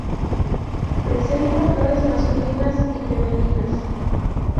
Presenta flores masculinas y femeninas.